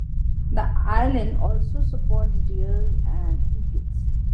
The island also supports deer and eagles.